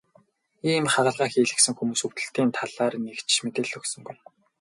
Ийм хагалгаа хийлгэсэн хүмүүс өвдөлтийн талаар нэг ч мэдээлэл өгсөнгүй.